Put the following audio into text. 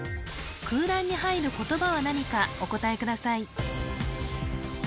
空欄に入る言葉は何かお答えください